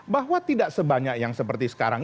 bahwa tidak sebanyak yang seperti sekarang